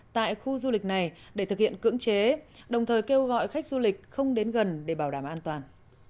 tại khu du lịch này để thực hiện cưỡng chế đồng thời kêu gọi khách du lịch không đến gần để bảo đảm an toàn